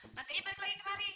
nantinya balik lagi kemari